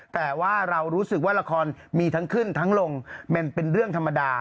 แต่ว่าเรารู้สึกว่าละครมีทั้งขึ้นทั้งลงมันเป็นเรื่องธรรมดา